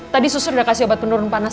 tadi susu udah kasih obat penurunan panas